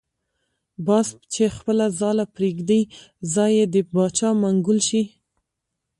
باز چی خپله ځاله پریږدی ځای یی دباچا منګول شی .